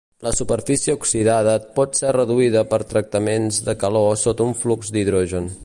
La superfície oxidada pot ser reduïda per tractaments de calor sota un flux d’hidrogen.